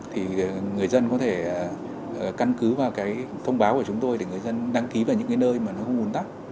thì người dân có thể căn cứ vào cái thông báo của chúng tôi để người dân đăng ký vào những cái nơi mà nó không ủn tắc